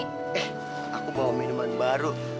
eh aku bawa minuman baru